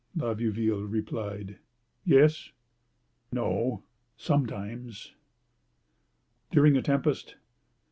La Vieuville replied: "Yes—no. Sometimes." "During a tempest?"